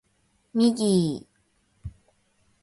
ミギー